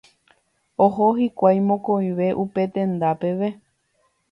Oho hikuái mokõive upe tenda peve.